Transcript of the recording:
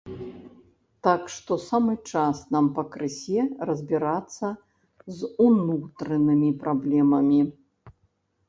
Так што самы час нам пакрысе разбірацца з унутранымі праблемамі.